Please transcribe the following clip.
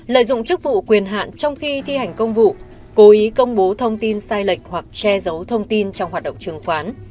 lợi dụng chức vụ quyền hạn trong khi thi hành công vụ cố ý công bố thông tin sai lệch hoặc che giấu thông tin trong hoạt động chứng khoán